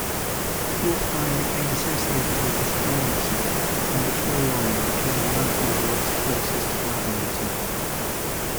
Wolffheim became associated with this tendency and before long became Laufenberg's closest collaborator.